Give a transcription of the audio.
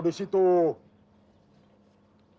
menjadi kemampuan anda